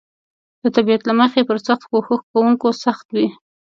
د طبیعت له مخې پر سخت کوښښ کونکو سخت وي.